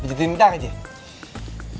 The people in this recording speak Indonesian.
pijetin udah gak sih